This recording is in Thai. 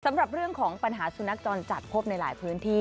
สำหรับเรื่องของปัญหาสุนัขจรจัดพบในหลายพื้นที่